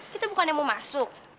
kita bukannya mau masuk